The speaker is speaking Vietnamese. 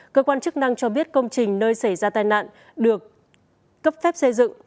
cơ quan chức năng cho biết công trình nơi xảy ra tai nạn được cấp phép xây dựng